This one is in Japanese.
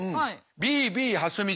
ＢＢ蓮見さん。